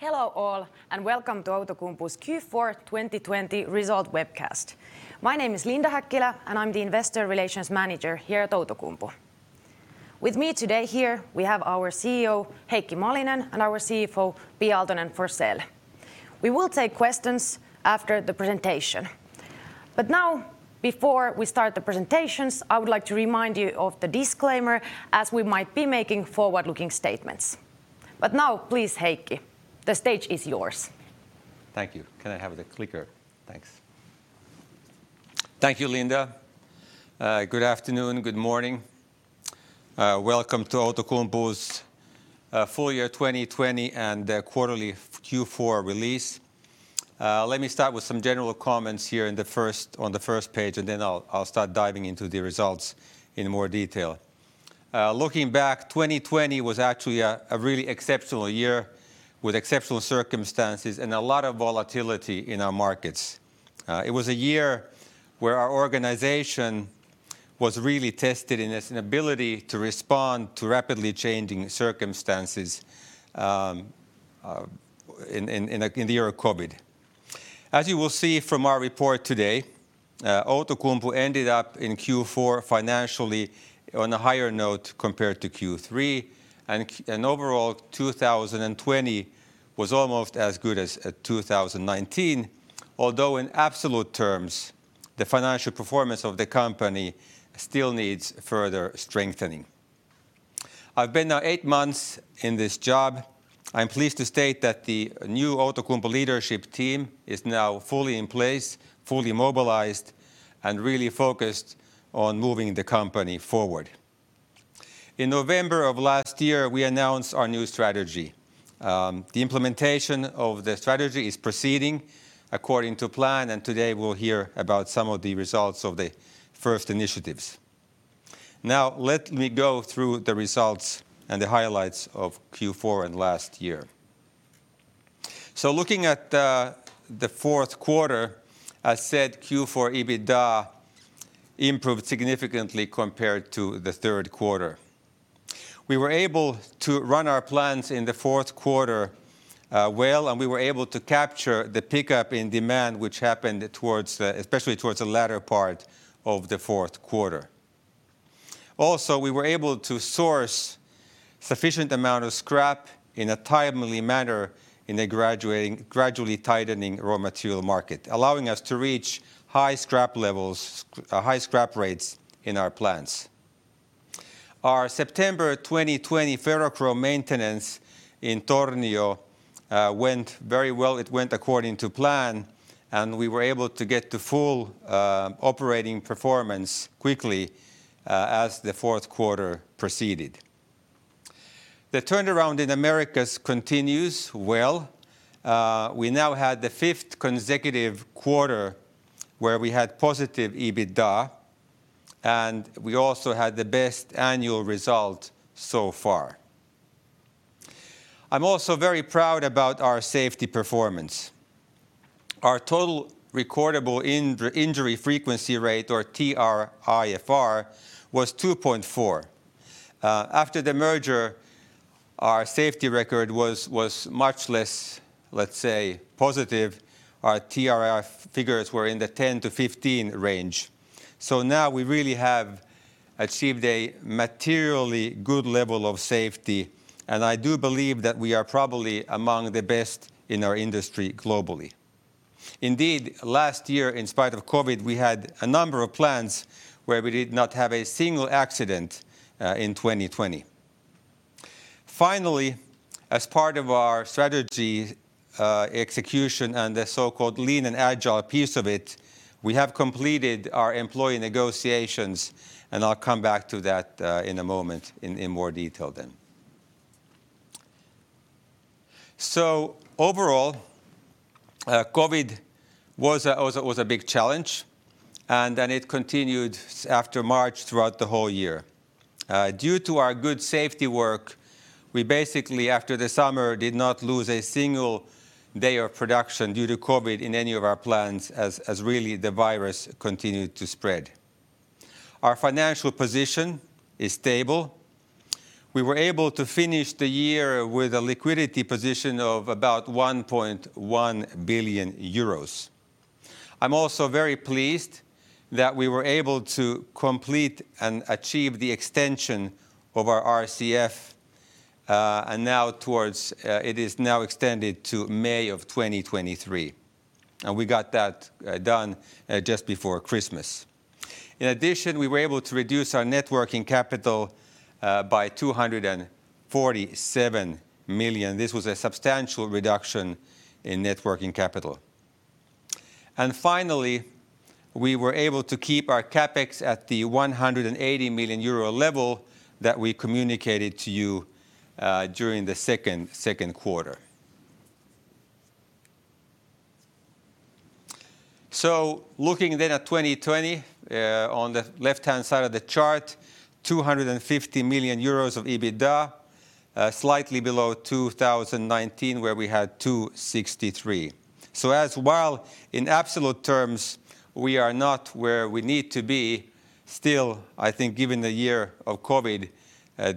Hello all, welcome to Outokumpu's Q4 2020 result webcast. My name is Linda Häkkilä, and I'm the investor relations manager here at Outokumpu. With me today here, we have our CEO, Heikki Malinen, and our CFO, Pia Aaltonen-Forsell. We will take questions after the presentation. Now, before we start the presentations, I would like to remind you of the disclaimer, as we might be making forward-looking statements. Now, please, Heikki, the stage is yours. Thank you. Can I have the clicker? Thanks. Thank you, Linda. Good afternoon, good morning. Welcome to Outokumpu's full year 2020 and quarterly Q4 release. Let me start with some general comments here on the first page, then I'll start diving into the results in more detail. Looking back, 2020 was actually a really exceptional year with exceptional circumstances and a lot of volatility in our markets. It was a year where our organization was really tested in its ability to respond to rapidly changing circumstances in the year of COVID. As you will see from our report today, Outokumpu ended up in Q4 financially on a higher note compared to Q3. Overall, 2020 was almost as good as 2019, although in absolute terms, the financial performance of the company still needs further strengthening. I've been now eight months in this job. I'm pleased to state that the new Outokumpu leadership team is now fully in place, fully mobilized, and really focused on moving the company forward. In November of last year, we announced our new strategy. The implementation of the strategy is proceeding according to plan, today we'll hear about some of the results of the first initiatives. Let me go through the results and the highlights of Q4 and last year. Looking at the fourth quarter, as said, Q4 EBITDA improved significantly compared to the third quarter. We were able to run our plans in the fourth quarter well, we were able to capture the pickup in demand, which happened especially towards the latter part of the fourth quarter. Also, we were able to source sufficient amount of scrap in a timely manner in a gradually tightening raw material market, allowing us to reach high scrap rates in our plants. Our September 2020 ferrochrome maintenance in Tornio went very well. It went according to plan, and we were able to get to full operating performance quickly as the fourth quarter proceeded. The turnaround in Americas continues well. We now had the fifth consecutive quarter where we had positive EBITDA, and we also had the best annual result so far. I'm also very proud about our safety performance. Our total recordable injury frequency rate, or TRIFR, was 2.4. After the merger, our safety record was much less, let's say, positive. Our TRIFR figures were in the 10-15 range. Now we really have achieved a materially good level of safety, and I do believe that we are probably among the best in our industry globally. Indeed, last year, in spite of COVID, we had a number of plants where we did not have a single accident in 2020. Finally, as part of our strategy execution and the so-called lean and agile piece of it, we have completed our employee negotiations, and I'll come back to that in a moment in more detail then. Overall, COVID was a big challenge, and then it continued after March throughout the whole year. Due to our good safety work, we basically, after the summer, did not lose a single day of production due to COVID in any of our plants as really the virus continued to spread. Our financial position is stable. We were able to finish the year with a liquidity position of about 1.1 billion euros. I'm also very pleased that we were able to complete and achieve the extension of our RCF. It is now extended to May 2023, and we got that done just before Christmas. In addition, we were able to reduce our net working capital by 247 million. This was a substantial reduction in net working capital. Finally, we were able to keep our CapEx at the 180 million euro level that we communicated to you during the second quarter. Looking then at 2020, on the left-hand side of the chart, 250 million euros of EBITDA, slightly below 2019, where we had 263 million. Still, I think given the year of COVID,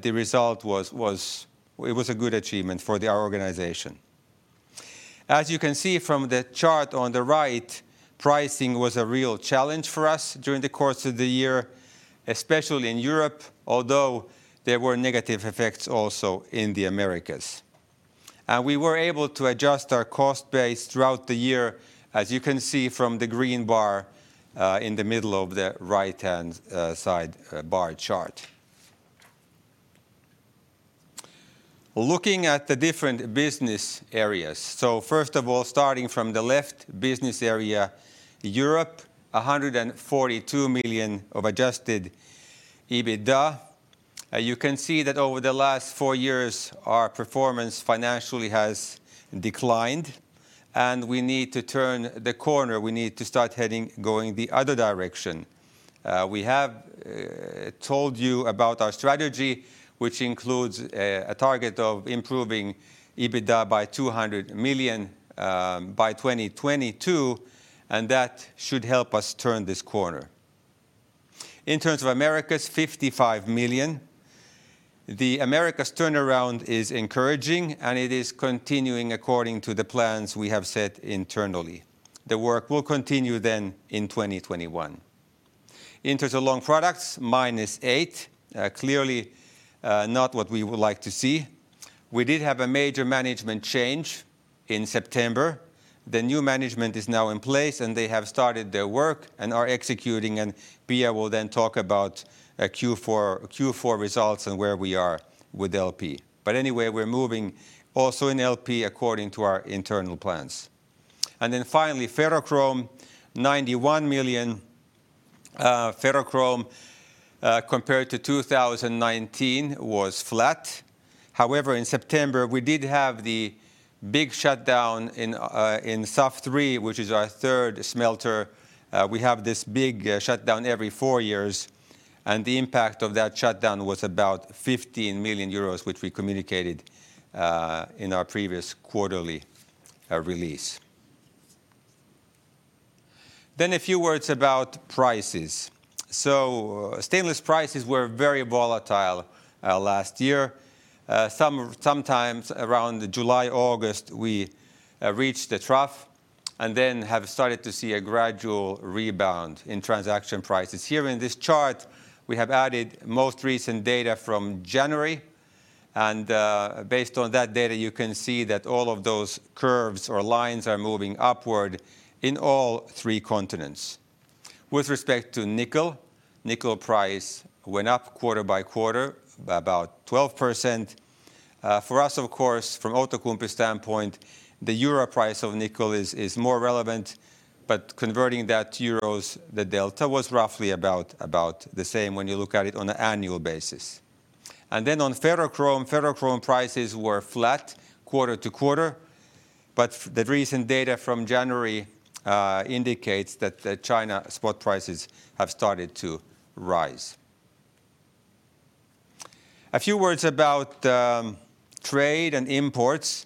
the result was a good achievement for our organization. As you can see from the chart on the right, pricing was a real challenge for us during the course of the year, especially in Europe, although there were negative effects also in the Americas. We were able to adjust our cost base throughout the year, as you can see from the green bar in the middle of the right-hand side bar chart. Looking at the different business areas. First of all, starting from the left business area, Europe, 142 million of adjusted EBITDA. You can see that over the last four years, our performance financially has declined and we need to turn the corner. We need to start going the other direction. We have told you about our strategy, which includes a target of improving EBITDA by 200 million by 2022, and that should help us turn this corner. In terms of Americas, 55 million. The Americas turnaround is encouraging. It is continuing according to the plans we have set internally. The work will continue then in 2021. In terms of Long Products, minus 8. Clearly, not what we would like to see. We did have a major management change in September. The new management is now in place. They have started their work and are executing. Pia will then talk about Q4 results and where we are with LP. Anyway, we're moving also in LP according to our internal plans. Finally, ferrochrome, EUR 91 million. Ferrochrome, compared to 2019, was flat. However, in September, we did have the big shutdown in SAF 3, which is our third smelter. We have this big shutdown every four years. The impact of that shutdown was about 15 million euros, which we communicated in our previous quarterly release. A few words about prices. Stainless prices were very volatile last year. Sometimes around July, August, we reached the trough and then have started to see a gradual rebound in transaction prices. Here in this chart, we have added most recent data from January. Based on that data, you can see that all of those curves or lines are moving upward in all three continents. With respect to nickel price went up quarter by quarter by about 12%. For us, of course, from Outokumpu standpoint, the euro price of nickel is more relevant, but converting that to euros, the delta was roughly about the same when you look at it on an annual basis. On ferrochrome prices were flat quarter to quarter, but the recent data from January indicates that the China spot prices have started to rise. A few words about trade and imports.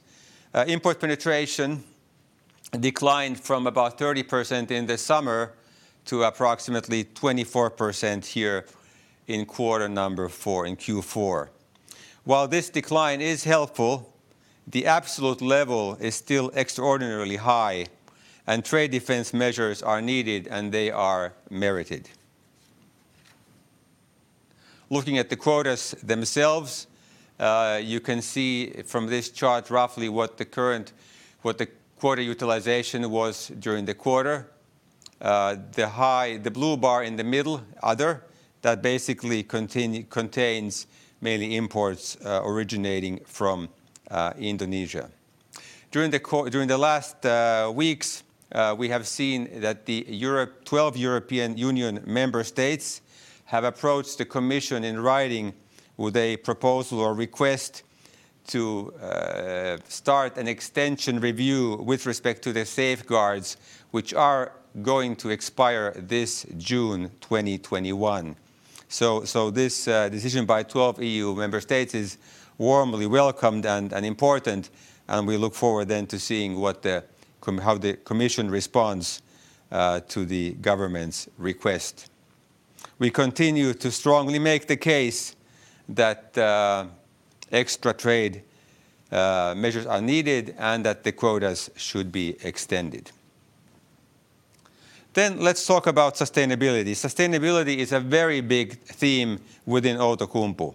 Import penetration declined from about 30% in the summer to approximately 24% here in quarter number four, in Q4. While this decline is helpful, the absolute level is still extraordinarily high and trade defense measures are needed, and they are merited. Looking at the quotas themselves, you can see from this chart roughly what the quota utilization was during the quarter. The blue bar in the middle, Other, that basically contains mainly imports originating from Indonesia. During the last weeks, we have seen that the 12 European Union member states have approached the Commission in writing with a proposal or request to start an extension review with respect to the safeguards which are going to expire this June 2021. This decision by 12 EU member states is warmly welcomed and important, and we look forward then to seeing how the Commission responds to the government's request. We continue to strongly make the case that extra trade measures are needed and that the quotas should be extended. Let's talk about sustainability. Sustainability is a very big theme within Outokumpu.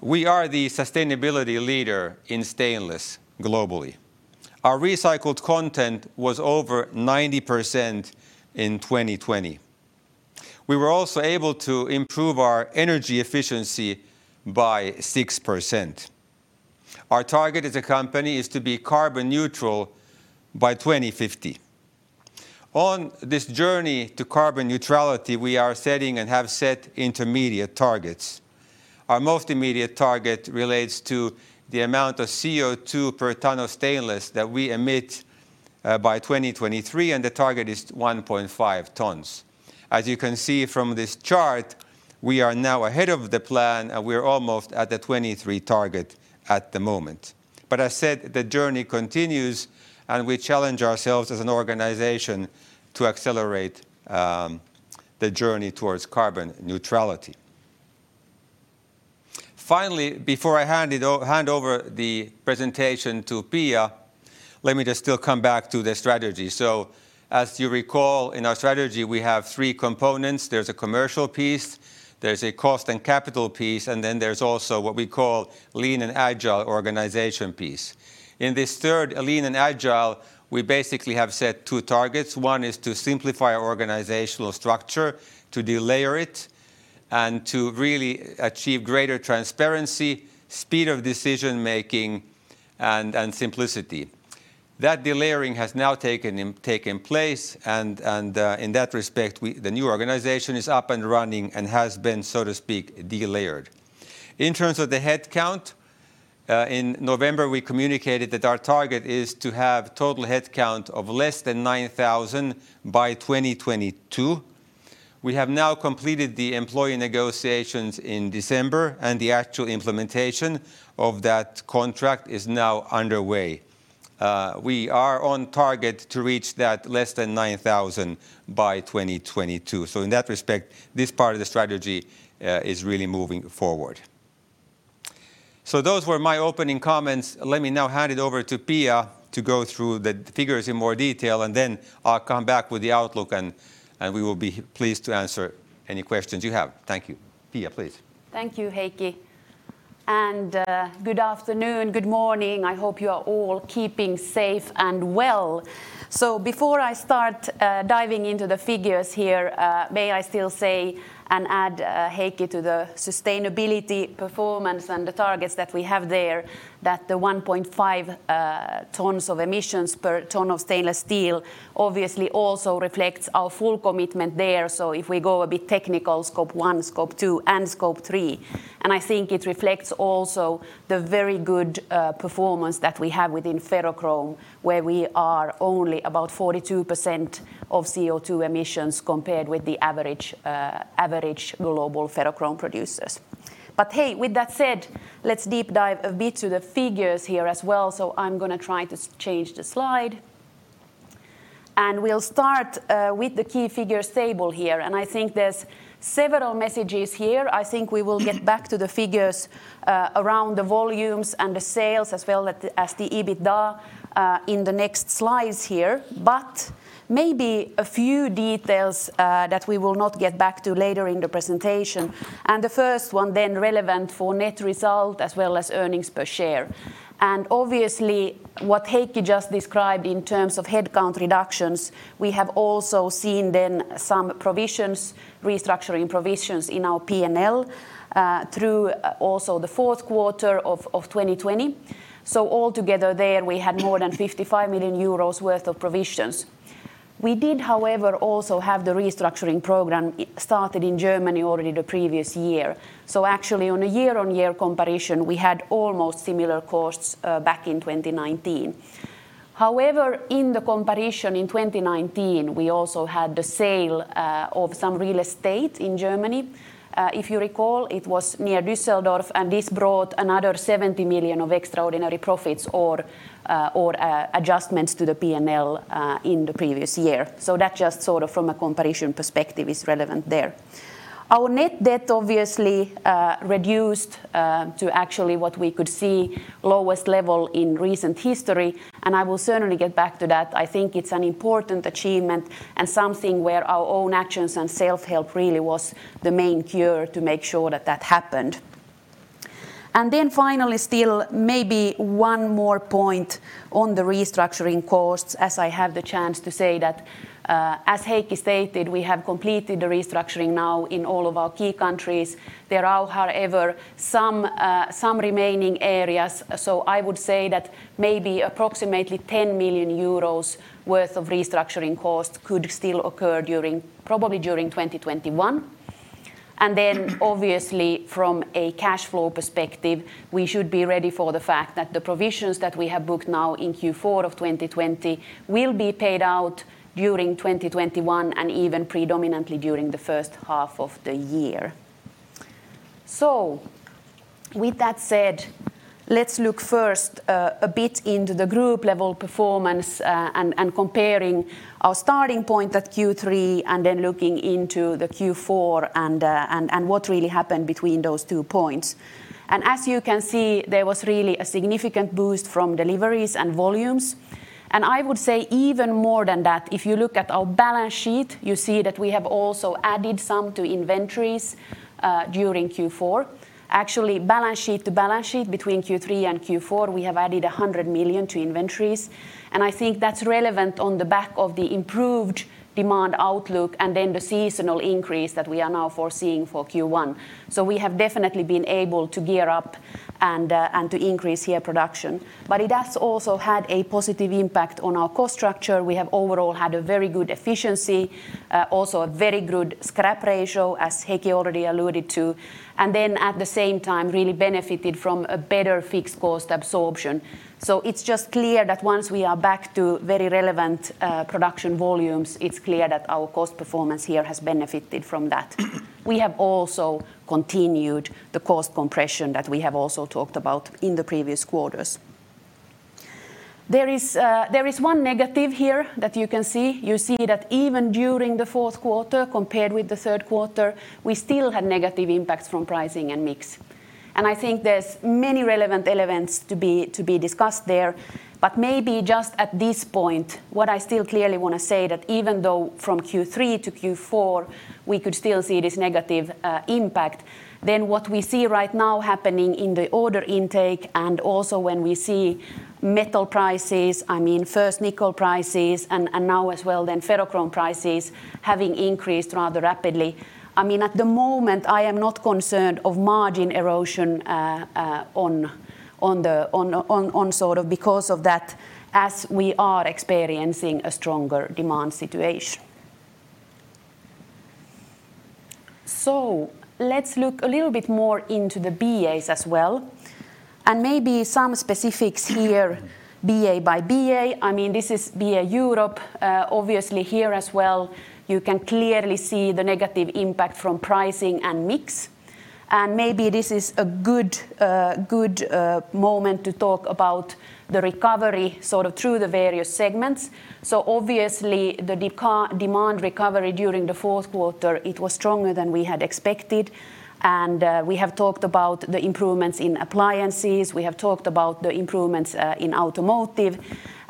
We are the sustainability leader in stainless globally. Our recycled content was over 90% in 2020. We were also able to improve our energy efficiency by 6%. Our target as a company is to be carbon neutral by 2050. On this journey to carbon neutrality, we are setting and have set intermediate targets. Our most immediate target relates to the amount of CO2 per ton of stainless that we emit by 2023, and the target is 1.5 tons. As you can see from this chart. We are now ahead of the plan. We are almost at the 2023 target at the moment. As said, the journey continues. We challenge ourselves as an organization to accelerate the journey towards carbon neutrality. Finally, before I hand over the presentation to Pia, let me just still come back to the strategy. As you recall, in our strategy, we have three components. There's a commercial piece, there's a cost and capital piece. Then there's also what we call lean and agile organization piece. In this third, lean and agile, we basically have set two targets. One is to simplify organizational structure, to delayer it, to really achieve greater transparency, speed of decision-making, and simplicity. That delayering has now taken place, and in that respect, the new organization is up and running and has been, so to speak, delayered. In terms of the headcount, in November, we communicated that our target is to have total headcount of less than 9,000 by 2022. We have now completed the employee negotiations in December, and the actual implementation of that contract is now underway. We are on target to reach that less than 9,000 by 2022. In that respect, this part of the strategy is really moving forward. Those were my opening comments. Let me now hand it over to Pia to go through the figures in more detail, and then I'll come back with the outlook and we will be pleased to answer any questions you have. Thank you. Pia, please. Thank you, Heikki, and good afternoon, good morning. I hope you are all keeping safe and well. Before I start diving into the figures here, may I still say and add, Heikki, to the sustainability performance and the targets that we have there, that the 1.5 tons of emissions per ton of stainless steel obviously also reflects our full commitment there. If we go a bit technical, Scope 1, Scope 2, and Scope 3. I think it reflects also the very good performance that we have within ferrochrome, where we are only about 42% of CO2 emissions compared with the average global ferrochrome producers. Hey, with that said, let's deep dive a bit to the figures here as well. I'm going to try to change the slide. We'll start with the key figures table here. I think there's several messages here. I think we will get back to the figures around the volumes and the sales as well as the EBITDA in the next slides here. Maybe a few details that we will not get back to later in the presentation. The first one then relevant for net result as well as earnings per share. Obviously, what Heikki just described in terms of headcount reductions, we have also seen then some restructuring provisions in our P&L through also the fourth quarter of 2020. Altogether there we had more than 55 million euros worth of provisions. We did, however, also have the restructuring program started in Germany already the previous year. Actually on a year-over-year comparison, we had almost similar costs back in 2019. However, in the comparison in 2019, we also had the sale of some real estate in Germany. If you recall, it was near Düsseldorf. This brought another 70 million of extraordinary profits or adjustments to the P&L in the previous year. That just sort of from a comparison perspective is relevant there. Our net debt obviously reduced to actually what we could see lowest level in recent history. I will certainly get back to that. I think it's an important achievement and something where our own actions and self-help really was the main cure to make sure that that happened. Finally, still maybe one more point on the restructuring costs as I have the chance to say that, as Heikki stated, we have completed the restructuring now in all of our key countries. There are, however, some remaining areas. I would say that maybe approximately 10 million euros worth of restructuring costs could still occur probably during 2021. Then obviously from a cash flow perspective, we should be ready for the fact that the provisions that we have booked now in Q4 of 2020 will be paid out during 2021 and even predominantly during the first half of the year. With that said, let's look first a bit into the group level performance and comparing our starting point at Q3 and then looking into the Q4 and what really happened between those two points. As you can see, there was really a significant boost from deliveries and volumes. I would say even more than that, if you look at our balance sheet, you see that we have also added some to inventories during Q4. Actually, balance sheet to balance sheet between Q3 and Q4, we have added 100 million to inventories. I think that's relevant on the back of the improved demand outlook and then the seasonal increase that we are now foreseeing for Q1. We have definitely been able to gear up and to increase here production. It has also had a positive impact on our cost structure. We have overall had a very good efficiency, also a very good scrap ratio, as Heikki already alluded to, and then at the same time, really benefited from a better fixed cost absorption. It's just clear that once we are back to very relevant production volumes, it's clear that our cost performance here has benefited from that. We have also continued the cost compression that we have also talked about in the previous quarters. There is one negative here that you can see. You see that even during the fourth quarter compared with the third quarter, we still had negative impacts from pricing and mix. I think there's many relevant elements to be discussed there. Maybe just at this point, what I still clearly want to say that even though from Q3 to Q4, we could still see this negative impact, what we see right now happening in the order intake and also when we see metal prices, first nickel prices and now as well ferrochrome prices, having increased rather rapidly. At the moment, I am not concerned of margin erosion, because of that, as we are experiencing a stronger demand situation. Let's look a little bit more into the BAs as well, and maybe some specifics here, BA by BA. This is BA Europe, obviously here as well, you can clearly see the negative impact from pricing and mix. Maybe this is a good moment to talk about the recovery through the various segments. Obviously the demand recovery during the fourth quarter, it was stronger than we had expected. We have talked about the improvements in appliances, we have talked about the improvements in automotive,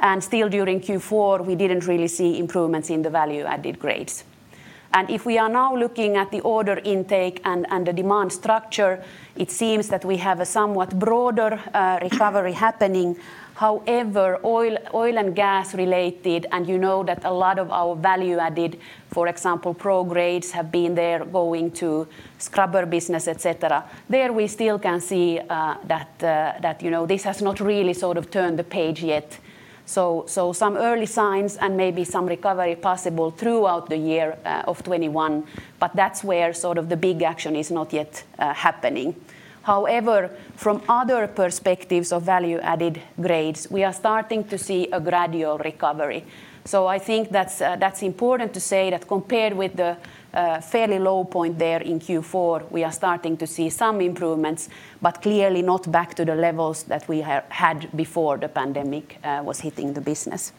and still during Q4, we didn't really see improvements in the value-added grades. If we are now looking at the order intake and the demand structure, it seems that we have a somewhat broader recovery happening. However, oil and gas related, and you know that a lot of our value-added, for example, Pro grades have been there going to scrubber business, et cetera. There we still can see that this has not really turned the page yet. Some early signs and maybe some recovery possible throughout the year of 2021, but that's where the big action is not yet happening. However, from other perspectives of value-added grades, we are starting to see a gradual recovery. I think that's important to say that compared with the fairly low point there in Q4, we are starting to see some improvements, but clearly not back to the levels that we had before the pandemic was hitting the business.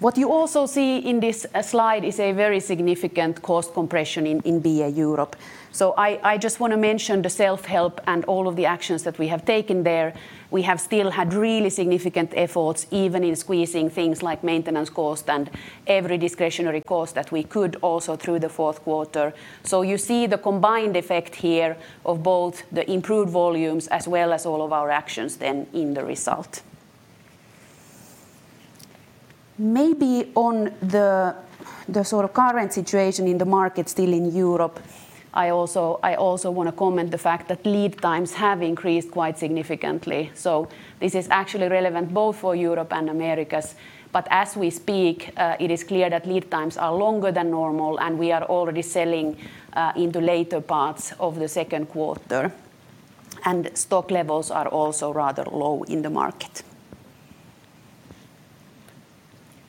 What you also see in this slide is a very significant cost compression in BA Europe. I just want to mention the self-help and all of the actions that we have taken there. We have still had really significant efforts, even in squeezing things like maintenance cost and every discretionary cost that we could also through the fourth quarter. You see the combined effect here of both the improved volumes as well as all of our actions then in the result. Maybe on the current situation in the market still in Europe, I also want to comment the fact that lead times have increased quite significantly. This is actually relevant both for Europe and Americas, but as we speak it is clear that lead times are longer than normal, and we are already selling into later parts of the second quarter. Stock levels are also rather low in the market.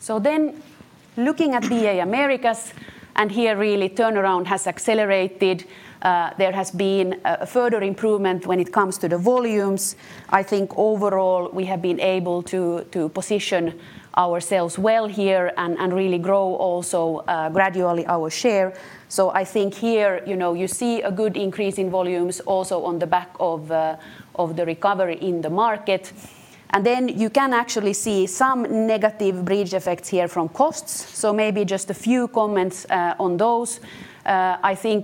Looking at BA Americas, and here really turnaround has accelerated. There has been a further improvement when it comes to the volumes. I think overall we have been able to position ourselves well here and really grow also gradually our share. I think here, you see a good increase in volumes also on the back of the recovery in the market. Then you can actually see some negative bridge effects here from costs. Maybe just a few comments on those.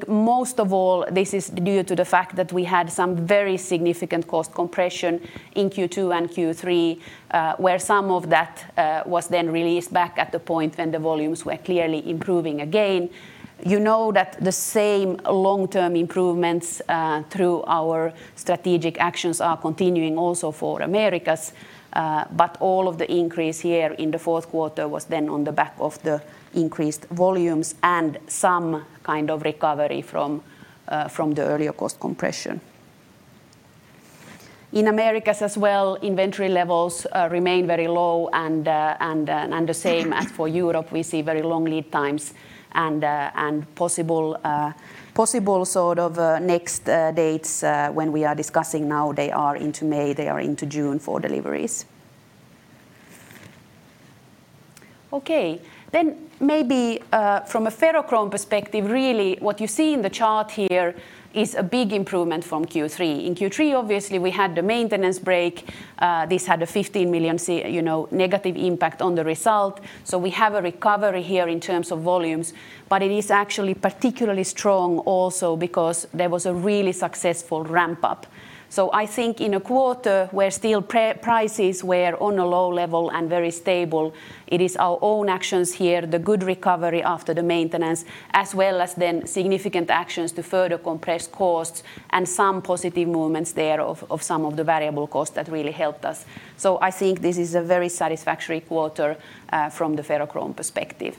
Most of all, this is due to the fact that we had some very significant cost compression in Q2 and Q3, where some of that was then released back at the point when the volumes were clearly improving again. You know that the same long-term improvements through our strategic actions are continuing also for Americas. All of the increase here in the fourth quarter was then on the back of the increased volumes and some kind of recovery from the earlier cost compression. In Americas as well, inventory levels remain very low and the same as for Europe, we see very long lead times and possible next dates when we are discussing now they are into May, they are into June for deliveries. Okay. Maybe from a ferrochrome perspective, really what you see in the chart here is a big improvement from Q3. In Q3, obviously, we had the maintenance break. This had a 15 million negative impact on the result. We have a recovery here in terms of volumes, but it is actually particularly strong also because there was a really successful ramp-up. I think in a quarter where steel prices were on a low level and very stable, it is our own actions here, the good recovery after the maintenance, as well as then significant actions to further compress costs and some positive movements there of some of the variable costs that really helped us. I think this is a very satisfactory quarter from the ferrochrome perspective.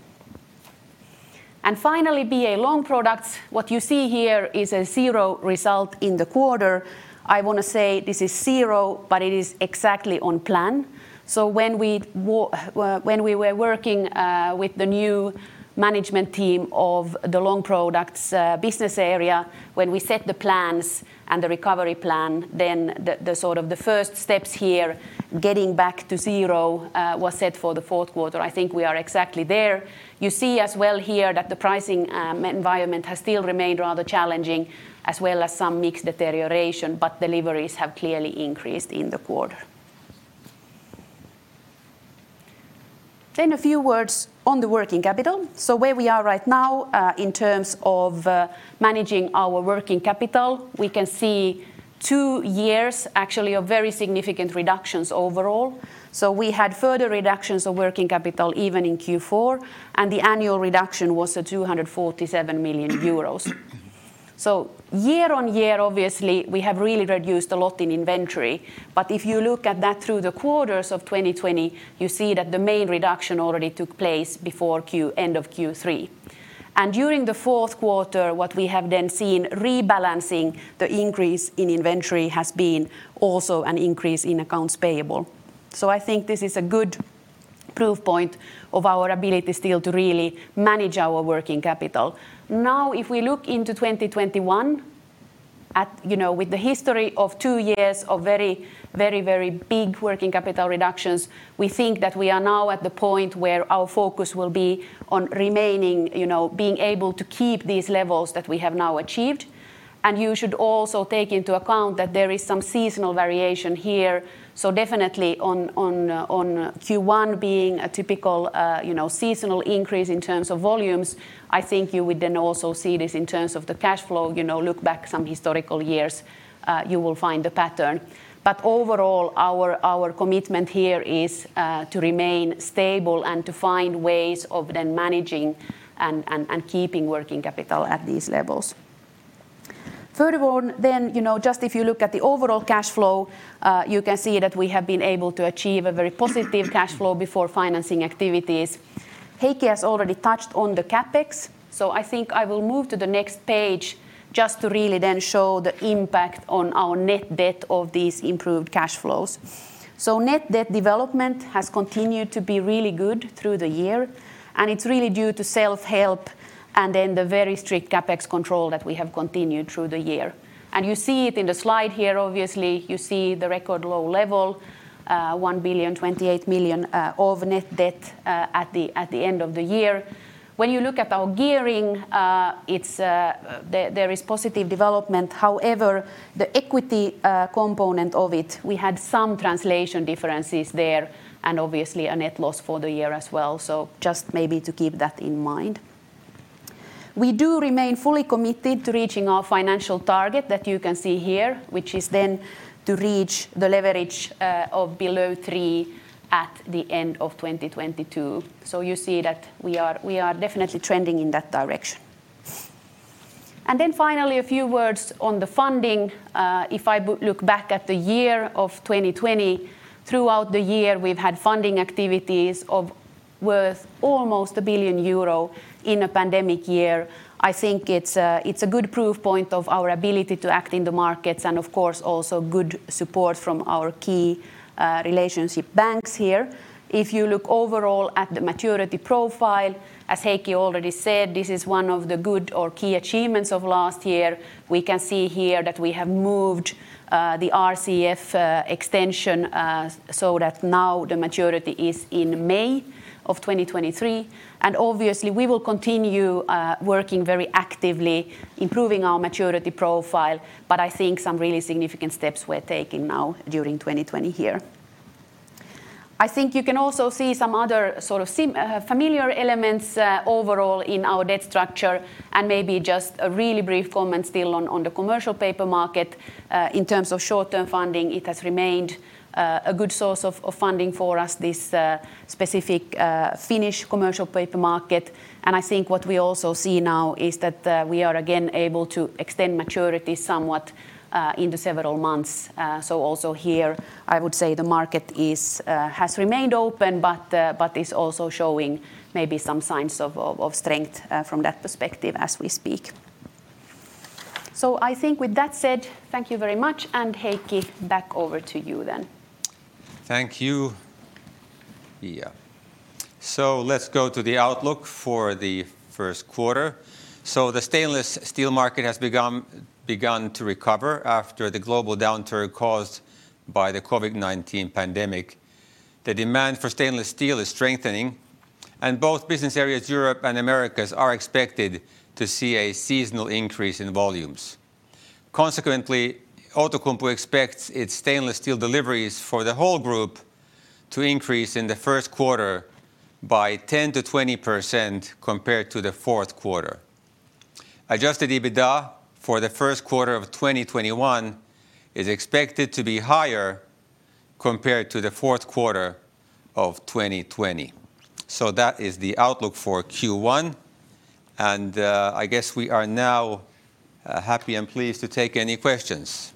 Finally, BA Long Products. What you see here is a zero result in the quarter. I want to say this is zero, but it is exactly on plan. When we were working with the new management team of the Long Products business area, when we set the plans and the recovery plan, then the first steps here, getting back to zero, were set for the fourth quarter. I think we are exactly there. You see as well here that the pricing environment has still remained rather challenging, as well as some mixed deterioration, but deliveries have clearly increased in the quarter. A few words on the working capital. Where we are right now in terms of managing our working capital, we can see two years actually of very significant reductions overall. We had further reductions of working capital even in Q4, and the annual reduction was at 247 million euros. Year on year, obviously, we have really reduced a lot in inventory. If you look at that through the quarters of 2020, you see that the main reduction already took place before end of Q3. During the fourth quarter, what we have then seen rebalancing the increase in inventory has been also an increase in accounts payable. I think this is a good proof point of our ability still to really manage our net working capital. If we look into 2021, with the history of two years of very big net working capital reductions, we think that we are now at the point where our focus will be on remaining, being able to keep these levels that we have now achieved. You should also take into account that there is some seasonal variation here. Definitely on Q1 being a typical seasonal increase in terms of volumes, I think you would then also see this in terms of the cash flow. Look back some historical years, you will find the pattern. Overall, our commitment here is to remain stable and to find ways of then managing and keeping net working capital at these levels. Furthermore, just if you look at the overall cash flow, you can see that we have been able to achieve a very positive cash flow before financing activities. Heikki has already touched on the CapEx. I think I will move to the next page just to really then show the impact on our net debt of these improved cash flows. Net debt development has continued to be really good through the year, and it is really due to self-help and then the very strict CapEx control that we have continued through the year. You see it in the slide here, obviously, you see the record low level, 1,028 million of net debt at the end of the year. When you look at our gearing, there is positive development. However, the equity component of it, we had some translation differences there, and obviously a net loss for the year as well. Just maybe to keep that in mind. We do remain fully committed to reaching our financial target that you can see here, which is then to reach the leverage of below three at the end of 2022. You see that we are definitely trending in that direction. Finally, a few words on the funding. If I look back at the year of 2020, throughout the year, we've had funding activities worth almost 1 billion euro in a pandemic year. I think it's a good proof point of our ability to act in the markets and, of course, also good support from our key relationship banks here. If you look overall at the maturity profile, as Heikki already said, this is one of the good or key achievements of last year. We can see here that we have moved the RCF extension so that now the maturity is in May of 2023. Obviously, we will continue working very actively improving our maturity profile. I think some really significant steps were taken now during 2020 here. I think you can also see some other familiar elements overall in our debt structure, and maybe just a really brief comment still on the commercial paper market. In terms of short-term funding, it has remained a good source of funding for us, this specific Finnish commercial paper market. I think what we also see now is that we are again able to extend maturity somewhat into several months. Also here, I would say the market has remained open, but is also showing maybe some signs of strength from that perspective as we speak. I think with that said, thank you very much. Heikki, back over to you then. Thank you, Pia. Let's go to the outlook for the first quarter. The stainless steel market has begun to recover after the global downturn caused by the COVID-19 pandemic. The demand for stainless steel is strengthening, and both business areas, Europe and Americas, are expected to see a seasonal increase in volumes. Consequently, Outokumpu expects its stainless steel deliveries for the whole group to increase in the first quarter by 10%-20% compared to the fourth quarter. Adjusted EBITDA for the first quarter of 2021 is expected to be higher compared to the fourth quarter of 2020. That is the outlook for Q1. I guess we are now happy and pleased to take any questions.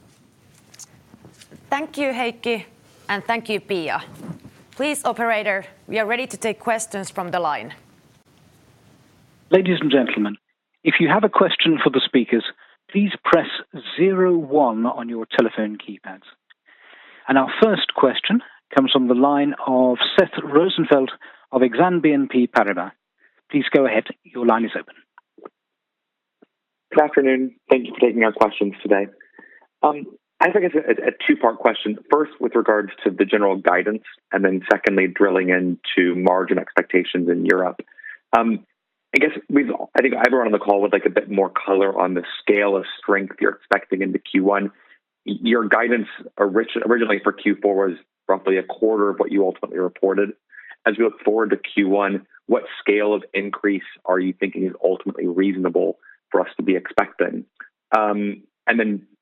Thank you, Heikki. Thank you, Pia. Please, operator, we are ready to take questions from the line. Ladies and gentlemen, if you have a question for the speakers, please press zero one on your telephone keypads. Our first question comes from the line of Seth Rosenfeld of Exane BNP Paribas. Please go ahead. Your line is open. Good afternoon. Thank you for taking our questions today. I think it's a two-part question, first with regards to the general guidance, and then secondly, drilling into margin expectations in Europe. I guess everyone on the call would like a bit more color on the scale of strength you're expecting into Q1. Your guidance originally for Q4 was roughly a quarter of what you ultimately reported. As we look forward to Q1, what scale of increase are you thinking is ultimately reasonable for us to be expecting?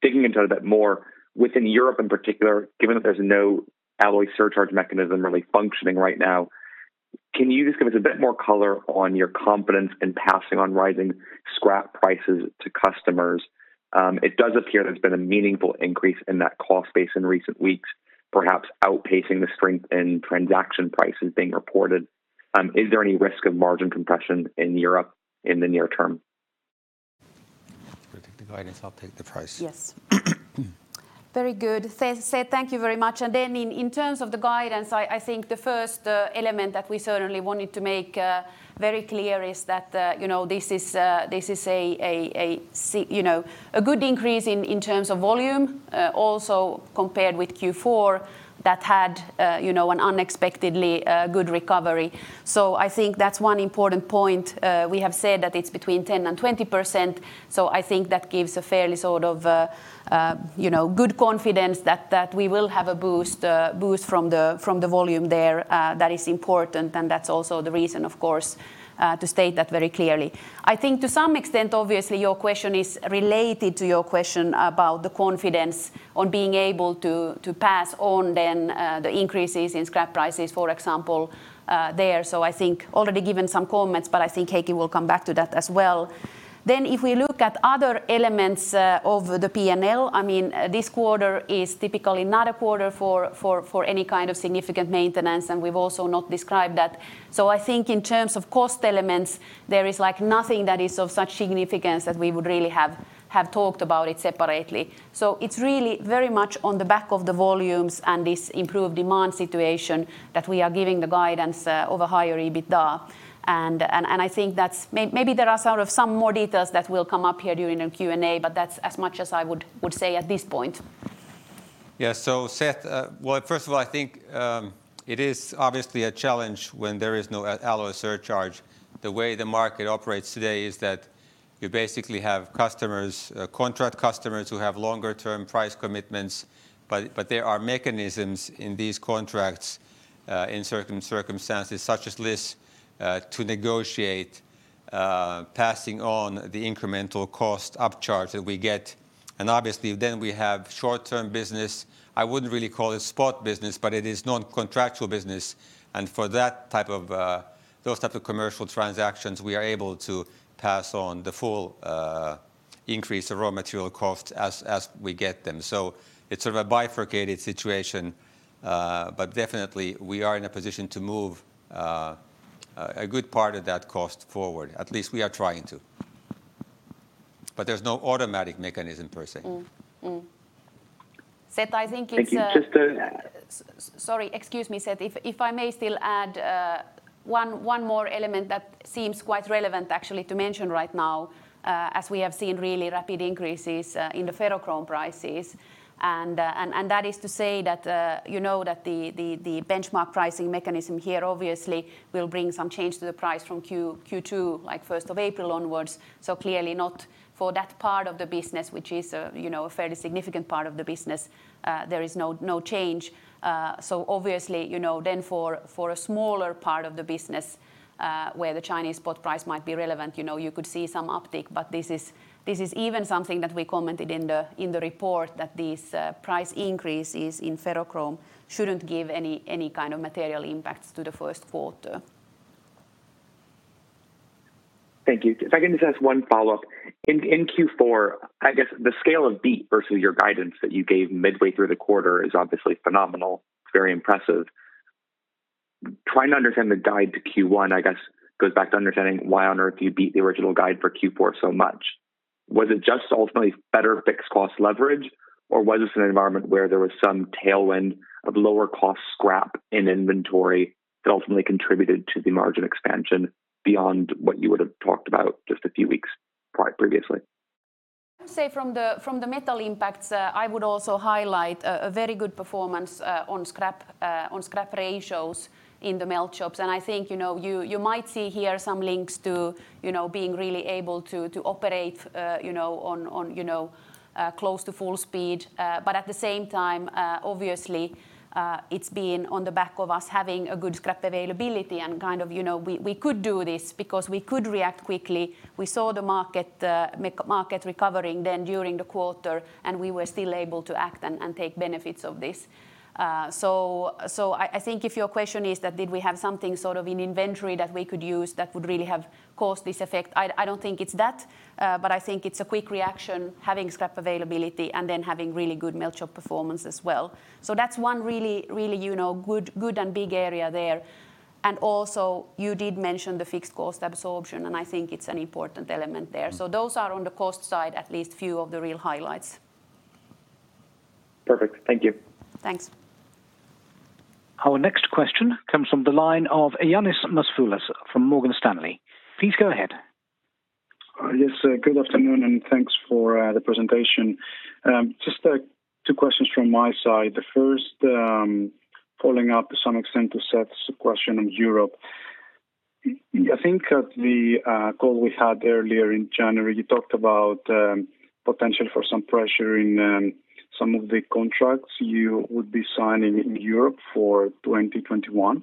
Digging into it a bit more, within Europe in particular, given that there's no alloy surcharge mechanism really functioning right now, can you just give us a bit more color on your confidence in passing on rising scrap prices to customers? It does appear there's been a meaningful increase in that cost base in recent weeks, perhaps outpacing the strength in transaction prices being reported. Is there any risk of margin compression in Europe in the near term? You can take the guidance, I'll take the price. Yes. Very good. Seth, thank you very much. In terms of the guidance, I think the first element that we certainly wanted to make very clear is that this is a good increase in terms of volume, also compared with Q4 that had an unexpectedly good recovery. I think that's one important point. We have said that it's between 10% and 20%, I think that gives a fairly good confidence that we will have a boost from the volume there. That is important and that's also the reason, of course, to state that very clearly. I think to some extent, obviously, your question is related to your question about the confidence on being able to pass on then the increases in scrap prices, for example, there. I think already given some comments, I think Heikki will come back to that as well. If we look at other elements of the P&L, this quarter is typically not a quarter for any kind of significant maintenance, and we've also not described that. I think in terms of cost elements, there is nothing that is of such significance that we would really have talked about it separately. It's really very much on the back of the volumes and this improved demand situation that we are giving the guidance of a higher EBITDA. I think that maybe there are some more details that will come up here during the Q&A, but that's as much as I would say at this point. Well, Seth, first of all, I think it is obviously a challenge when there is no alloy surcharge. The way the market operates today is that you basically have contract customers who have longer-term price commitments. There are mechanisms in these contracts, in certain circumstances such as this, to negotiate passing on the incremental cost upcharge that we get. Obviously, we have short-term business. I wouldn't really call it spot business. It is non-contractual business. For those types of commercial transactions, we are able to pass on the full increase of raw material costs as we get them. It's a bifurcated situation. Definitely we are in a position to move a good part of that cost forward. At least we are trying to. There's no automatic mechanism per se. Mm-hmm. Seth. I think it's a- Thank you. Sorry, excuse me, Seth. If I may still add one more element that seems quite relevant actually to mention right now, as we have seen really rapid increases in the ferrochrome prices, that is to say that the benchmark pricing mechanism here obviously will bring some change to the price from Q2, like April 1st onwards. Clearly not for that part of the business, which is a fairly significant part of the business, there is no change. Obviously, for a smaller part of the business, where the Chinese spot price might be relevant, you could see some uptick, but this is even something that we commented in the report, that these price increases in ferrochrome shouldn't give any kind of material impacts to the first quarter. Thank you. If I can just ask one follow-up. In Q4, I guess the scale of beat versus your guidance that you gave midway through the quarter is obviously phenomenal, very impressive. Trying to understand the guide to Q1, I guess, goes back to understanding why on earth you beat the original guide for Q4 so much. Was it just ultimately better fixed cost leverage, or was this an environment where there was some tailwind of lower cost scrap in inventory that ultimately contributed to the margin expansion beyond what you would have talked about just a few weeks previously? I would say from the metal impacts, I would also highlight a very good performance on scrap ratios in the melt shops. I think you might see here some links to being really able to operate on close to full speed. At the same time, obviously, it's been on the back of us having a good scrap availability, and we could do this because we could react quickly. We saw the market recovering then during the quarter, and we were still able to act and take benefits of this. I think if your question is that did we have something in inventory that we could use that would really have caused this effect, I don't think it's that, but I think it's a quick reaction, having scrap availability and then having really good melt shop performance as well. That's one really good and big area there. Also you did mention the fixed cost absorption, and I think it's an important element there. Those are on the cost side, at least few of the real highlights. Perfect. Thank you. Thanks. Our next question comes from the line of Ioannis Masvoulas from Morgan Stanley. Please go ahead. Yes, good afternoon and thanks for the presentation. Just two questions from my side. The first, following up to some extent to Seth's question on Europe. I think at the call we had earlier in January, you talked about potential for some pressure in some of the contracts you would be signing in Europe for 2021.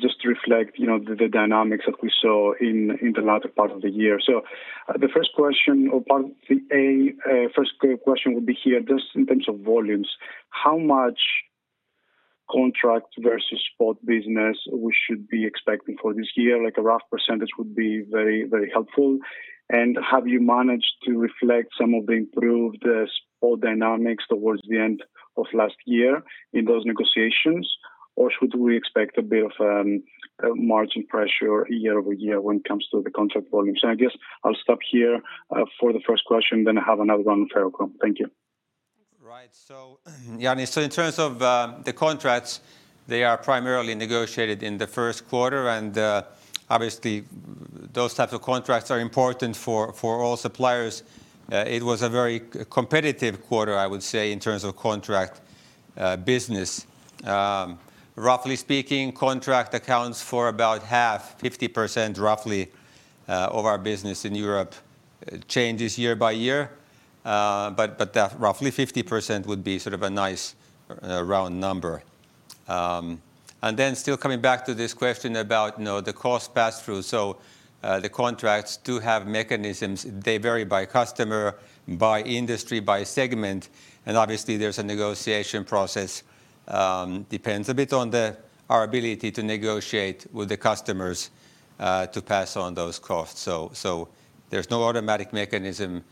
Just to reflect the dynamics that we saw in the latter part of the year. The first question, or part A, first question would be here, just in terms of volumes, how much contract versus spot business we should be expecting for this year? A rough percentage would be very helpful. Have you managed to reflect some of the improved spot dynamics towards the end of last year in those negotiations, or should we expect a bit of margin pressure year-over-year when it comes to the contract volumes? I guess I'll stop here for the first question, then I have another one on ferrochrome. Thank you. Right. Ioannis, in terms of the contracts, they are primarily negotiated in the first quarter, and obviously those types of contracts are important for all suppliers. It was a very competitive quarter, I would say, in terms of contract business. Roughly speaking, contract accounts for about half, 50% roughly, of our business in Europe. It changes year by year. Roughly 50% would be a nice round number. Still coming back to this question about the cost pass-through. The contracts do have mechanisms. They vary by customer, by industry, by segment, and obviously there's a negotiation process. Depends a bit on our ability to negotiate with the customers to pass on those costs. There's no automatic mechanism.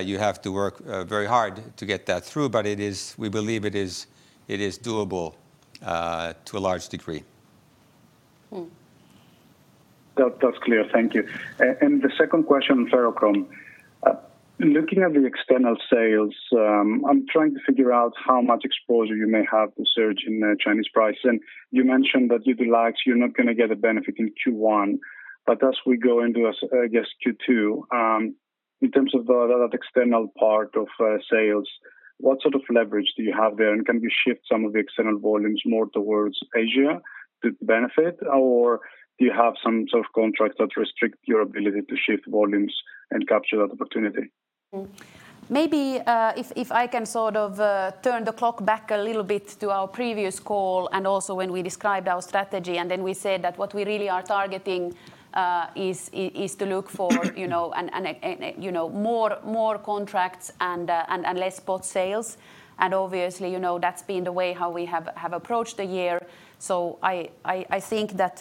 You have to work very hard to get that through, but we believe it is doable to a large degree. That's clear. Thank you. The second question on ferrochrome. Looking at the external sales, I'm trying to figure out how much exposure you may have to the surge in Chinese price. You mentioned that due to lags you're not going to get a benefit in Q1, but as we go into, I guess Q2, in terms of that external part of sales, what sort of leverage do you have there, and can you shift some of the external volumes more towards Asia to benefit, or do you have some sort of contracts that restrict your ability to shift volumes and capture that opportunity? Maybe if I can turn the clock back a little bit to our previous call, and also when we described our strategy, and then we said that what we really are targeting is to look for more contracts and less spot sales. Obviously, that's been the way how we have approached the year. I think that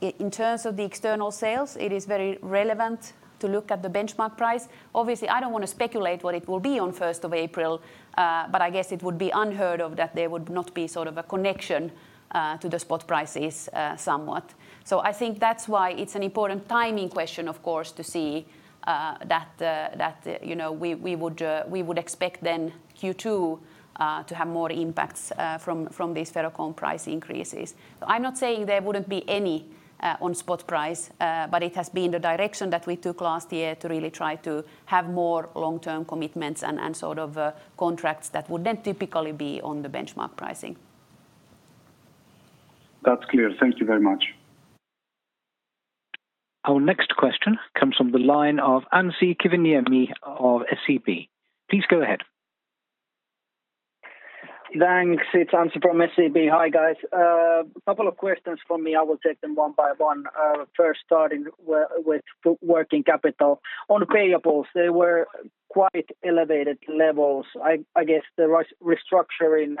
in terms of the external sales, it is very relevant to look at the benchmark price. I don't want to speculate what it will be on April 1st, but I guess it would be unheard of that there would not be sort of a connection to the spot prices somewhat. I think that's why it's an important timing question, of course, to see that we would expect then Q2 to have more impacts from these ferrochrome price increases. I'm not saying there wouldn't be any on spot price, but it has been the direction that we took last year to really try to have more long-term commitments and sort of contracts that would then typically be on the benchmark pricing. That's clear. Thank you very much. Our next question comes from the line of Anssi Kiviniemi of SEB. Please go ahead. Thanks. It's Anssi from SEB. Hi, guys. Couple of questions from me. I will take them one by one. First starting with working capital. On payables, they were quite elevated levels. I guess the restructuring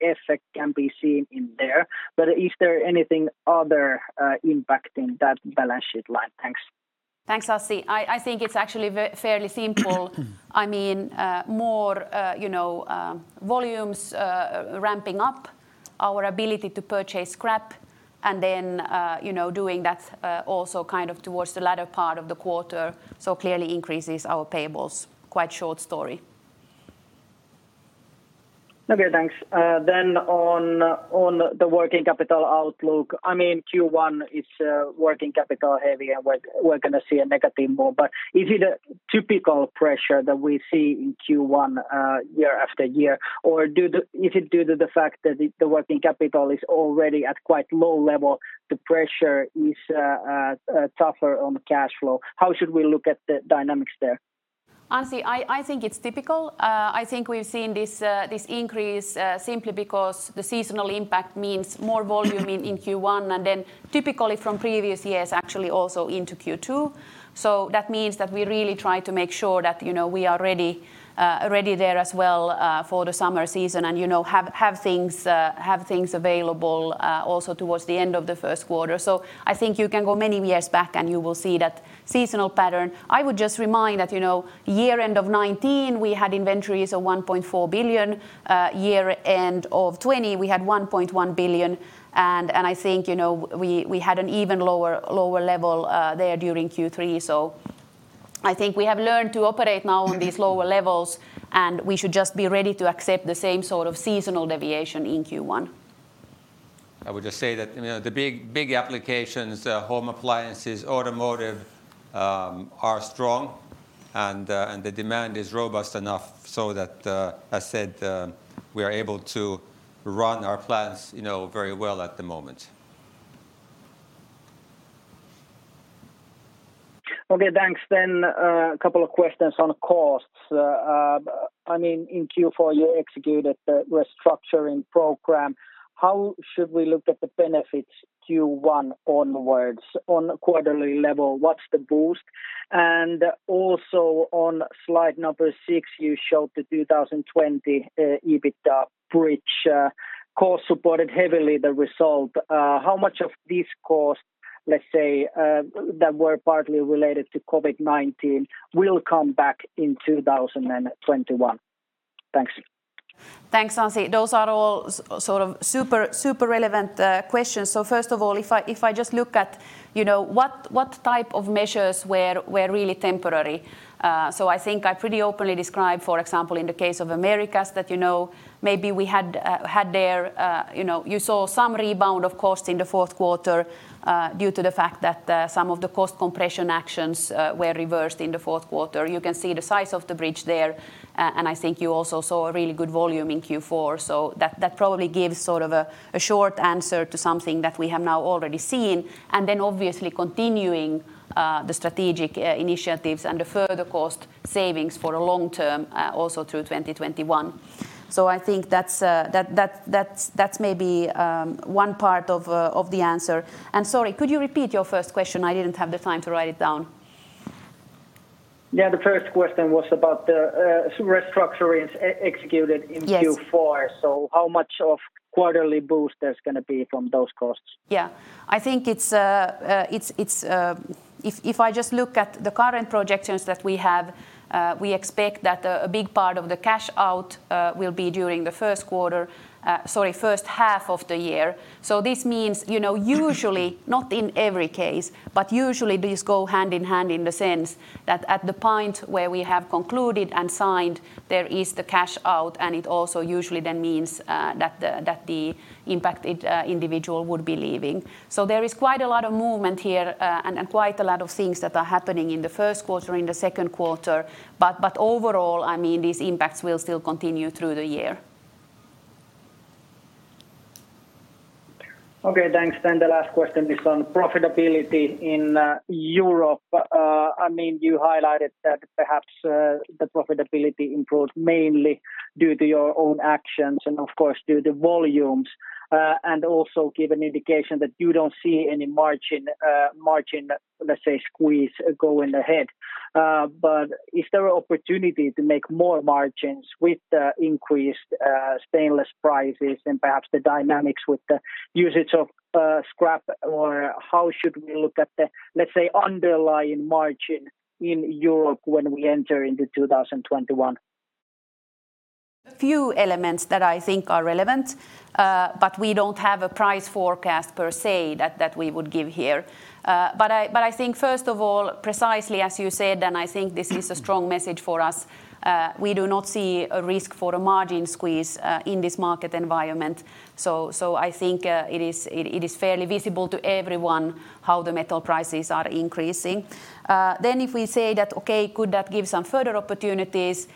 effect can be seen in there, but is there anything other impacting that balance sheet line? Thanks. Thanks, Anssi. I think it's actually fairly simple. More volumes ramping up, our ability to purchase scrap, and then doing that also towards the latter part of the quarter, so clearly increases our payables. Quite short story. Okay, thanks. On the working capital outlook, Q1 is working capital heavy and we're going to see a negative move. Is it a typical pressure that we see in Q1 year after year, or is it due to the fact that the net working capital is already at quite low level, the pressure is tougher on the cash flow? How should we look at the dynamics there? Anssi, I think it's typical. I think we've seen this increase simply because the seasonal impact means more volume in Q1, and then typically from previous years, actually also into Q2. That means that we really try to make sure that we are ready there as well for the summer season and have things available also towards the end of the first quarter. I think you can go many years back and you will see that seasonal pattern. I would just remind that year-end of 2019, we had inventories of 1.4 billion. Year-end of 2020, we had 1.1 billion, and I think we had an even lower level there during Q3. I think we have learned to operate now on these lower levels, and we should just be ready to accept the same sort of seasonal deviation in Q1. I would just say that the big applications, home appliances, automotive, are strong and the demand is robust enough so that, as said, we are able to run our plants very well at the moment. Okay, thanks. A couple of questions on costs. In Q4, you executed the restructuring program. How should we look at the benefits Q1 onwards on a quarterly level? What's the boost? Also on slide number six, you showed the 2020 EBITDA bridge cost supported heavily the result. How much of this cost, let's say, that were partly related to COVID-19, will come back in 2021? Thanks. Thanks, Anssi. Those are all super relevant questions. First of all, if I just look at what type of measures were really temporary. I think I pretty openly described, for example, in the case of Americas, that maybe we had there You saw some rebound, of course, in the fourth quarter due to the fact that some of the cost compression actions were reversed in the fourth quarter. You can see the size of the bridge there, and I think you also saw a really good volume in Q4. That probably gives a short answer to something that we have now already seen. Then obviously continuing the strategic initiatives and the further cost savings for a long term also through 2021. I think that's maybe one part of the answer. Sorry, could you repeat your first question? I didn't have the time to write it down. Yeah, the first question was about the restructuring executed in Q4. Yes. How much of quarterly boost there's going to be from those costs? Yeah. I think if I just look at the current projections that we have, we expect that a big part of the cash out will be during the first quarter, sorry, first half of the year. This means, usually, not in every case, but usually these go hand in hand in the sense that at the point where we have concluded and signed, there is the cash out, and it also usually then means that the impacted individual would be leaving. There is quite a lot of movement here, and quite a lot of things that are happening in the first quarter, in the second quarter. Overall, these impacts will still continue through the year. Okay, thanks. The last question is on profitability in Europe. You highlighted that perhaps the profitability improved mainly due to your own actions and of course due to volumes, and also give an indication that you don't see any margin, let's say, squeeze go in the head. Is there opportunity to make more margins with increased stainless prices and perhaps the dynamics with the usage of scrap? How should we look at the, let's say, underlying margin in Europe when we enter into 2021? Few elements that I think are relevant, but we don't have a price forecast per se that we would give here. I think first of all, precisely as you said, and I think this is a strong message for us, we do not see a risk for a margin squeeze in this market environment. I think it is fairly visible to everyone how the metal prices are increasing. If we say that, okay, could that give some further opportunities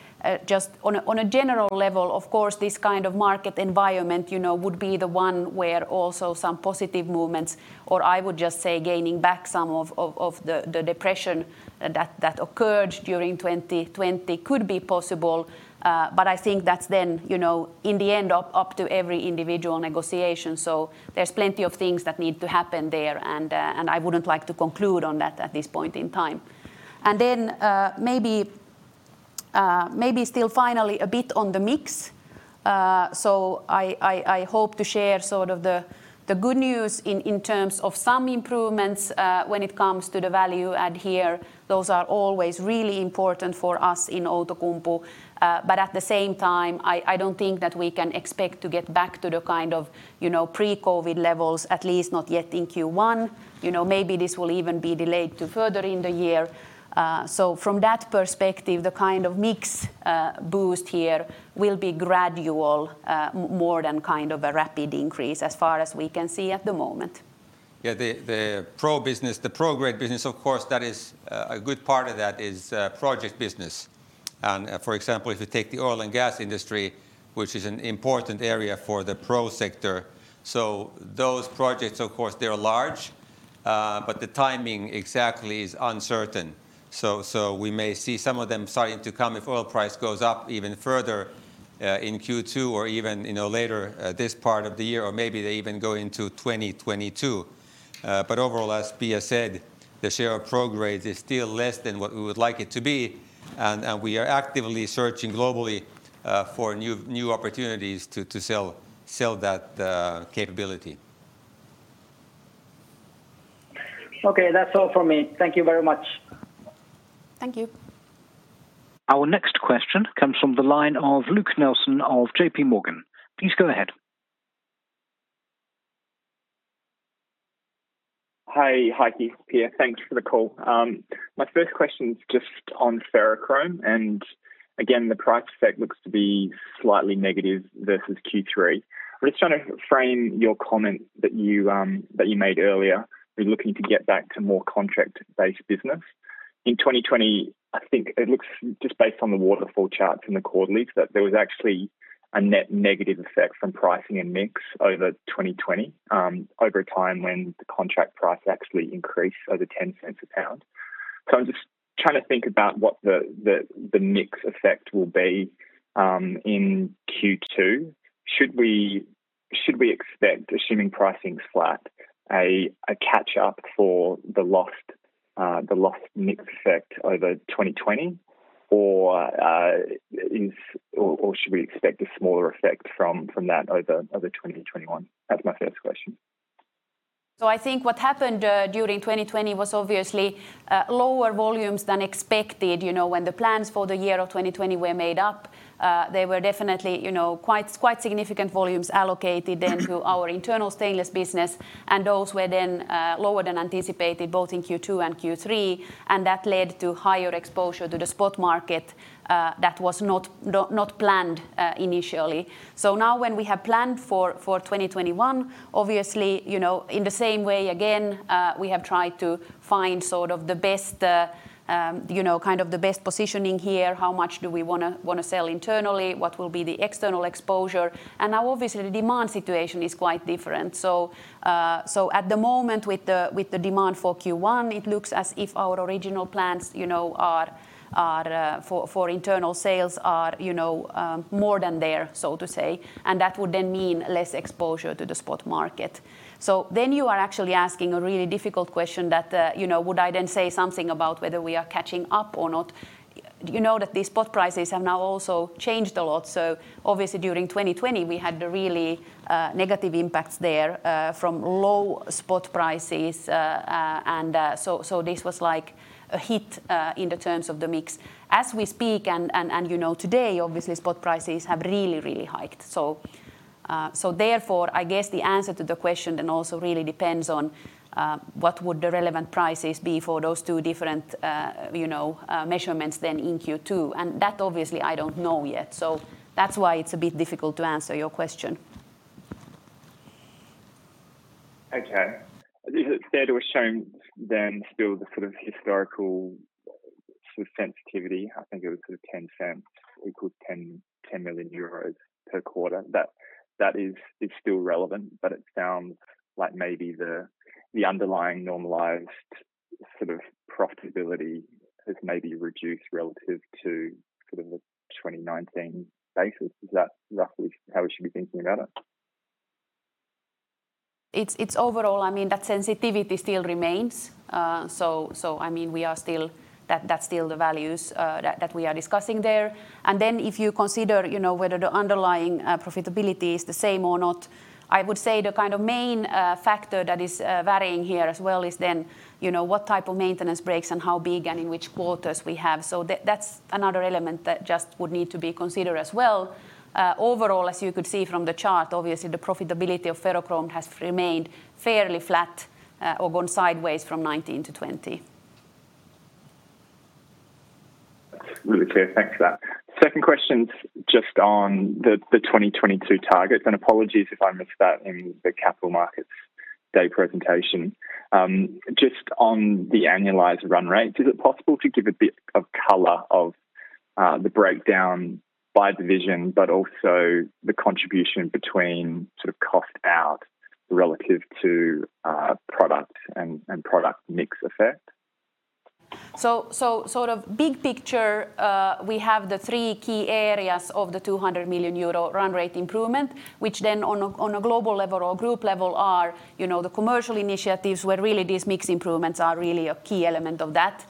just on a general level, of course, this kind of market environment would be the one where also some positive movements, or I would just say gaining back some of the depression that occurred during 2020 could be possible. I think that's then, in the end, up to every individual negotiation. There's plenty of things that need to happen there, and I wouldn't like to conclude on that at this point in time. Maybe still finally a bit on the mix. I hope to share sort of the good news in terms of some improvements when it comes to the value add here. Those are always really important for us in Outokumpu. At the same time, I don't think that we can expect to get back to the kind of pre-COVID levels, at least not yet in Q1. Maybe this will even be delayed to further in the year. From that perspective, the kind of mix boost here will be gradual more than kind of a rapid increase as far as we can see at the moment. The Pro grade business, of course, a good part of that is project business. For example, if you take the oil and gas industry, which is an important area for the Pro sector, so those projects, of course, they're large, but the timing exactly is uncertain. We may see some of them starting to come if oil price goes up even further in Q2 or even later this part of the year, or maybe they even go into 2022. Overall, as Pia said, the share of Pro grades is still less than what we would like it to be, and we are actively searching globally for new opportunities to sell that capability. Okay. That's all from me. Thank you very much. Thank you. Our next question comes from the line of Luke Nelson of JPMorgan. Please go ahead. Hi, Heikki. Pia. Thanks for the call. My first question is just on ferrochrome, again, the price effect looks to be slightly negative versus Q3. I'm just trying to frame your comment that you made earlier. You're looking to get back to more contract-based business. In 2020, I think it looks, just based on the waterfall charts and the quarterlies, that there was actually a net negative effect from pricing and mix over 2020, over a time when the contract price actually increased over $0.10 a pound. I'm just trying to think about what the mix effect will be in Q2. Should we expect, assuming pricing's flat, a catch-up for the lost mix effect over 2020, or should we expect a smaller effect from that over 2021? That's my first question. I think what happened during 2020 was obviously lower volumes than expected. When the plans for the year of 2020 were made up, there were definitely quite significant volumes allocated then to our internal stainless business, and those were then lower than anticipated, both in Q2 and Q3, and that led to higher exposure to the spot market that was not planned initially. Now when we have planned for 2021, obviously, in the same way again, we have tried to find the best positioning here. How much do we want to sell internally? What will be the external exposure? Now obviously, the demand situation is quite different. At the moment with the demand for Q1, it looks as if our original plans for internal sales are more than there, so to say, and that would then mean less exposure to the spot market. You are actually asking a really difficult question that would I then say something about whether we are catching up or not. You know that the spot prices have now also changed a lot, obviously during 2020, we had the really negative impacts there from low spot prices. This was like a hit in the terms of the mix. As we speak and you know today, obviously spot prices have really, really hiked. Therefore, I guess the answer to the question then also really depends on what would the relevant prices be for those two different measurements then in Q2. That obviously I don't know yet, so that's why it's a bit difficult to answer your question. Okay. There was shown then still the sort of historical sort of sensitivity. I think it was sort of $0.10 equal 10 million euros per quarter. That is still relevant, but it sounds like maybe the underlying normalized sort of profitability has maybe reduced relative to the 2019 basis. Is that roughly how we should be thinking about it? It's overall, that sensitivity still remains. That's still the values that we are discussing there. If you consider whether the underlying profitability is the same or not, I would say the main factor that is varying here as well is then what type of maintenance breaks and how big and in which quarters we have. That's another element that just would need to be considered as well. Overall, as you could see from the chart, obviously the profitability of ferrochrome has remained fairly flat or gone sideways from 2019-2020. That's really clear. Thanks for that. Second question is just on the 2022 targets, and apologies if I missed that in the Capital Markets Day presentation. Just on the annualized run rates, is it possible to give a bit of color of the breakdown by division, but also the contribution between cost out relative to product and product mix effect? Sort of big picture, we have the three key areas of the 200 million euro run rate improvement, which then on a global level or group level are the commercial initiatives where really these mix improvements are really a key element of that.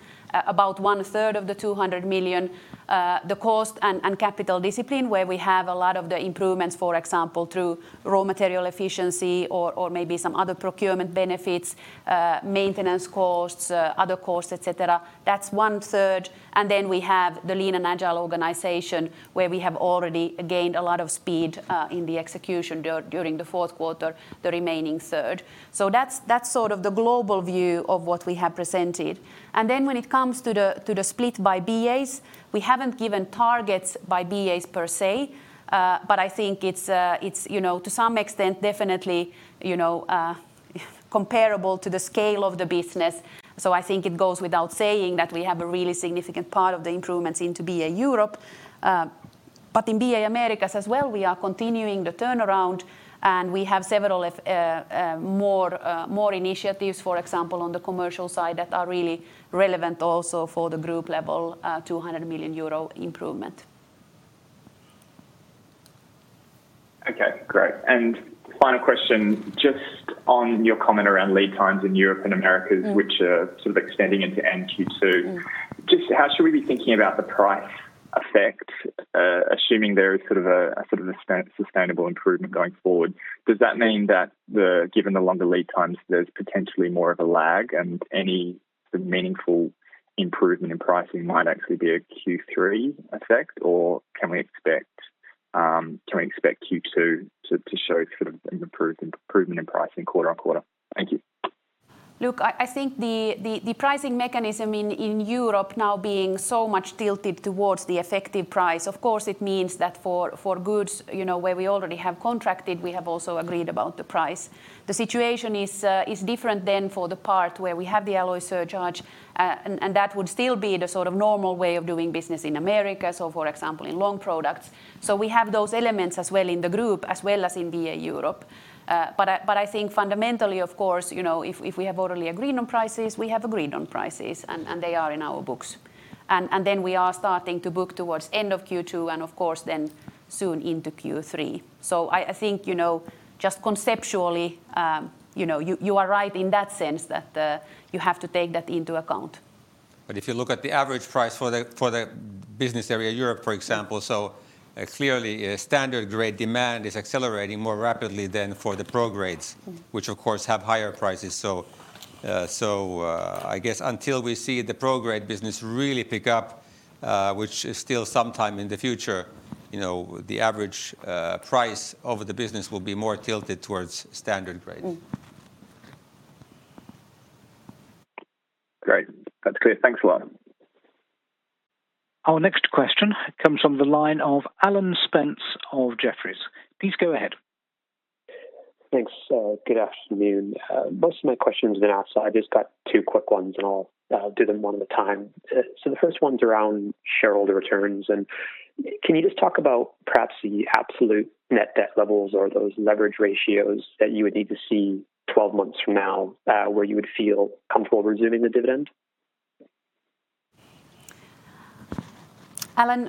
About one third of the 200 million, the cost and capital discipline where we have a lot of the improvements, for example, through raw material efficiency or maybe some other procurement benefits, maintenance costs, other costs, et cetera. That's one third. Then we have the lean and agile organization where we have already gained a lot of speed in the execution during the fourth quarter, the remaining third. That's the global view of what we have presented. When it comes to the split by BAs, we haven't given targets by BAs per se, but I think it's to some extent definitely comparable to the scale of the business. I think it goes without saying that we have a really significant part of the improvements in to BA Europe. In BA Americas as well, we are continuing the turnaround, and we have several more initiatives, for example, on the commercial side that are really relevant also for the group level, 200 million euro improvement. Okay, great. Final question, just on your comment around lead times in Europe and Americas, which are sort of extending into end Q2. Just how should we be thinking about the price effect, assuming there is a sustainable improvement going forward? Does that mean that given the longer lead times, there's potentially more of a lag and any meaningful improvement in pricing might actually be a Q3 effect, or can we expect Q2 to show an improvement in pricing quarter on quarter? Thank you. Luke, I think the pricing mechanism in Europe now being so much tilted towards the effective price, of course, it means that for goods where we already have contracted, we have also agreed about the price. The situation is different then for the part where we have the alloy surcharge, and that would still be the normal way of doing business in America, so for example, in Long Products. We have those elements as well in the group, as well as in BA Europe. I think fundamentally, of course, if we have already agreed on prices, we have agreed on prices, and they are in our books. Then we are starting to book towards end of Q2, and of course, then soon into Q3. I think, just conceptually, you are right in that sense that you have to take that into account. If you look at the average price for the Business Area Europe, for example, clearly a standard-grade demand is accelerating more rapidly than for the Pro grades, which of course have higher prices. I guess until we see the Pro grade business really pick up, which is still sometime in the future, the average price of the business will be more tilted towards standard-grade. Great. That's clear. Thanks a lot. Our next question comes from the line of Alan Spence of Jefferies. Please go ahead. Thanks. Good afternoon. Most of my question's been asked, so I just got two quick ones, and I'll do them one at a time. The first one's around shareholder returns. Can you just talk about perhaps the absolute net debt levels or those leverage ratios that you would need to see 12 months from now where you would feel comfortable resuming the dividend? Alan,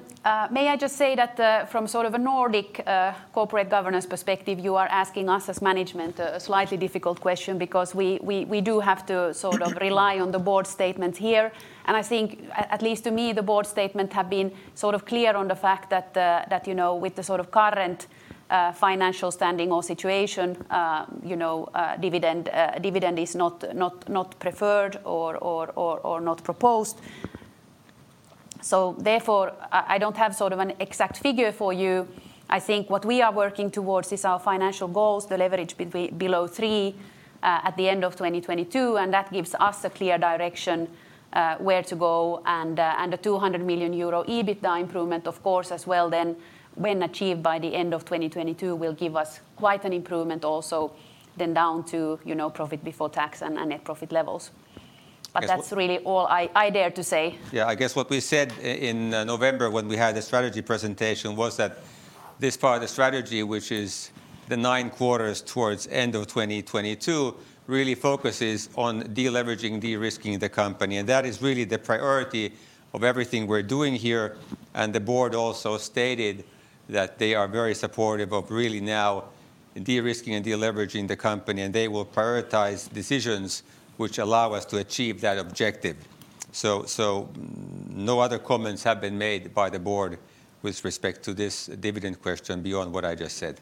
may I just say that from a Nordic corporate governance perspective, you are asking us as management a slightly difficult question because we do have to rely on the board statement here. I think, at least to me, the board statement have been clear on the fact that with the current financial standing or situation, dividend is not preferred or not proposed. Therefore, I don't have an exact figure for you. I think what we are working towards is our financial goals, the leverage below three at the end of 2022, and that gives us a clear direction where to go and a 200 million euro EBITDA improvement, of course, as well then when achieved by the end of 2022 will give us quite an improvement also then down to profit before tax and net profit levels. That's really all I dare to say. Yeah, I guess what we said in November when we had the strategy presentation was that this part of the strategy, which is the nine quarters towards end of 2022, really focuses on de-leveraging, de-risking the company. That is really the priority of everything we're doing here, and the board also stated that they are very supportive of really now de-risking and de-leveraging the company, and they will prioritize decisions which allow us to achieve that objective. No other comments have been made by the board with respect to this dividend question beyond what I just said.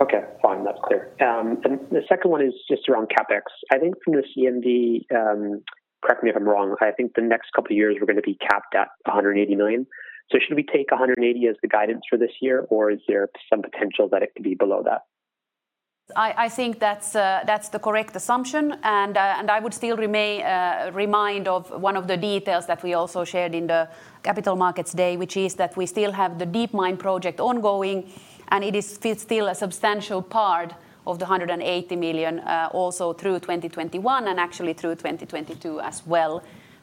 Okay, fine. That's clear. The second one is just around CapEx. I think from the CMD, correct me if I'm wrong, I think the next couple of years we're going to be capped at 180 million. Should we take 180 as the guidance for this year, or is there some potential that it could be below that? I think that's the correct assumption. I would still remind of one of the details that we also shared in the Capital Markets Day, which is that we still have the deep mine project ongoing, and it is still a substantial part of the 180 million also through 2021 and actually through 2022 as well.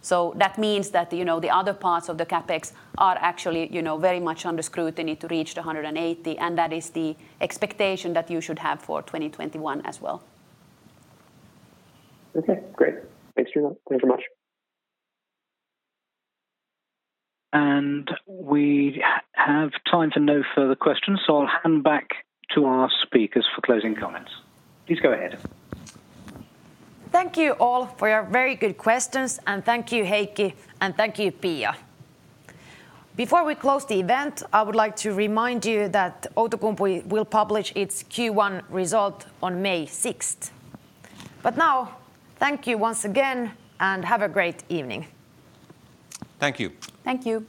That means that the other parts of the CapEx are actually very much under scrutiny to reach 180. That is the expectation that you should have for 2021 as well. Okay, great. Thanks for that. Thank you very much. We have time for no further questions, so I'll hand back to our speakers for closing comments. Please go ahead. Thank you all for your very good questions. Thank you, Heikki, and thank you, Pia. Before we close the event, I would like to remind you that Outokumpu will publish its Q1 result on May 6th. Now, thank you once again. Have a great evening. Thank you. Thank you.